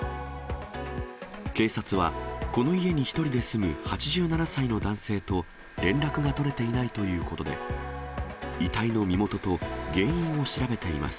警察は、この家に１人で住む８７歳の男性と連絡が取れていないということで、遺体の身元と原因を調べています。